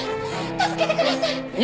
助けてください